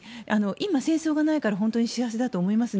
今、戦争がないから日本は本当に幸せだと思います。